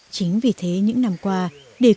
chính vì thế những năm qua để cung cấp nước sạch